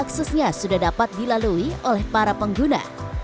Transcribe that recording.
aksesnya sudah dapat dilalui oleh para pengguna